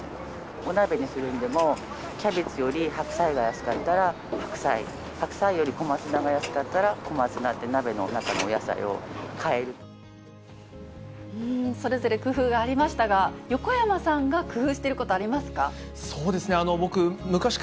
お鍋にするんでも、キャベツより白菜が安かったら白菜、白菜より小松菜が安かったら小松菜って、それぞれ工夫がありましたが、横山さんが工夫していることありますか。